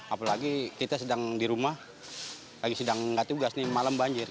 apalagi kita sedang di rumah lagi sedang nggak tugas nih malam banjir